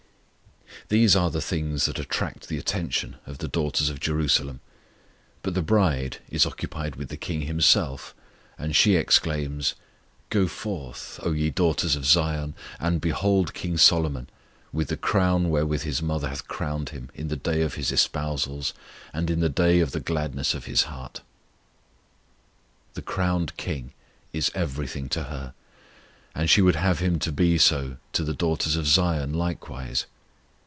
These are the things that attract the attention of the daughters of Jerusalem, but the bride is occupied with the King Himself, and she exclaims: Go forth, O ye daughters of Zion, and behold King Solomon, With the crown wherewith His mother hath crowned Him in the day of His espousals, And in the day of the gladness of His heart. The crowned KING is everything to her, and she would have Him to be so to the daughters of Zion likewise.